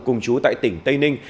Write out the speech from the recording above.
cùng chú tại tỉnh tây ninh